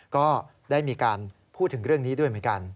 ก็ได้มีการพูดถึงเรื่องนี้ด้วยเหมือนกัน